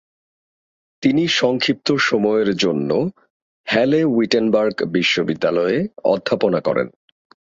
তিনি সংক্ষিপ্ত সময়ের জন্য হ্যালে-উইটেনবার্গ বিশ্ববিদ্যালয় এ অধ্যাপনা করেন।